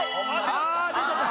ああ出ちゃった。